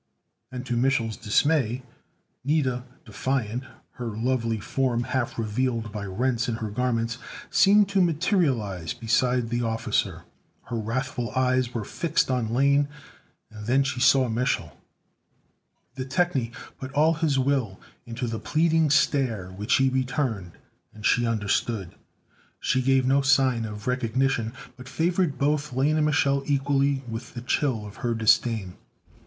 And to Mich'l's dismay, Nida, defiant, her lovely form half revealed by rents in her garments, seemed to materialize beside the officer. Her wrathful eyes were fixed on Lane, and then she saw Mich'l. The technie put all his will into the pleading stare which he returned, and she understood. She gave no sign of recognition, but favored both Lane and Mich'l equally with the chill of her disdain.